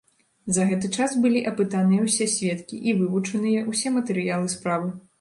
За гэты час былі апытаныя ўсе сведкі і вывучаныя ўсе матэрыялы справы.